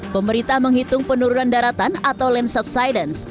pemerintah menghitung penurunan daratan atau land subsidence